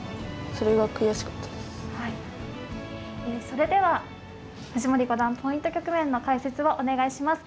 それでは藤森五段ポイント局面の解説をお願いします。